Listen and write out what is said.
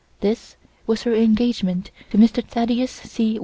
This was her engagement to Mr. Thaddeus C.